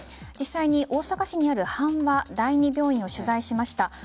実際に大阪市にある阪和第二病院を取材しました。